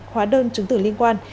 hóa đơn chứng tự liên quan